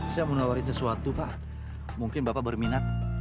saya mau nawarin sesuatu pak mungkin bapak berminat